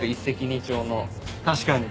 確かに。